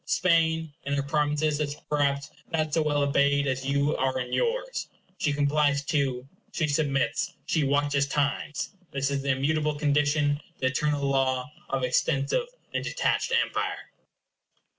Spain, in her provinces, is, perhaps, not so well obeyed as you are in yours. She complies, too; she submits; she watches times. This is the immutable condition, the eternal law of extensive and detached empire.